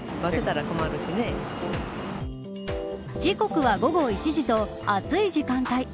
時刻は午後１時と暑い時間帯。